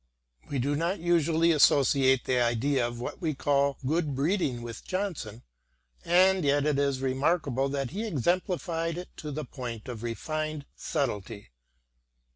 * We do not usually associate the idea of what we call good breeding with Johnson, and yet it is remarkable that he exemplified it to the point of refined subtlety.